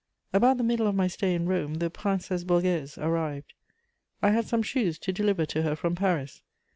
] About the middle of my stay in Rome, the Princesse Borghèse arrived; I had some shoes to deliver to her from Paris.